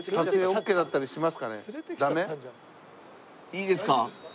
いいですか？